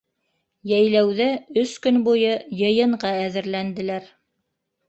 Йәйләүҙә өс көн буйы йыйынға әҙерләнделәр.